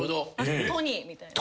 「トニー」みたいな。